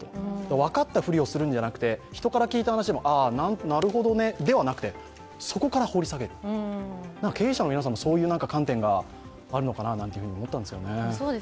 分かったふりをするんじゃなくて、人から聞いた話でも、なるほどねじゃなくて、そこから掘り下げる、経営者の皆さんもそういう観点があるのかななんて思ったんですけどね。